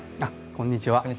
こんにちは。